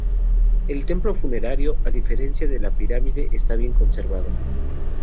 El templo funerario, a diferencia de la pirámide, está bien conservado.